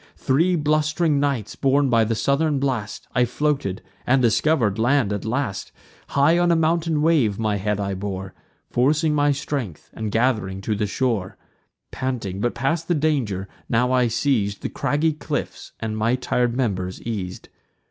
Three blust'ring nights, borne by the southern blast, I floated, and discover'd land at last: High on a mounting wave my head I bore, Forcing my strength, and gath'ring to the shore. Panting, but past the danger, now I seiz'd The craggy cliffs, and my tir'd members eas'd.